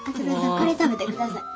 これ食べてください。